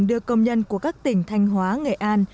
đưa công nhân của các tỉnh thanh hóa nghệ an